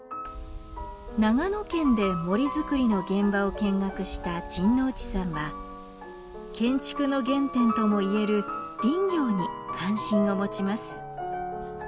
長野県で森づくりの現場を見学した陣内さんは建築の原点ともいえる林業に関心を持ちます。